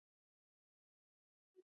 تاریخ د خپل ولس د هنر او ادب انځور دی.